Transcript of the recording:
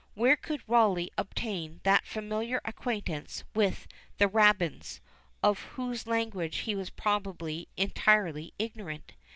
Where could Rawleigh obtain that familiar acquaintance with the rabbins, of whose language he was probably entirely ignorant?